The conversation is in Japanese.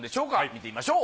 見てみましょう。